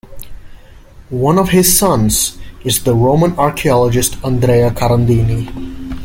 One of his sons is the Roman archaeologist Andrea Carandini.